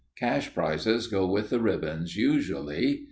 Cash prizes go with the ribbons usually.